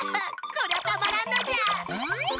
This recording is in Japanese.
こりゃたまらんのじゃ！